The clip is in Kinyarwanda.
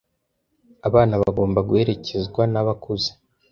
Abana bagomba guherekezwa nabakuze.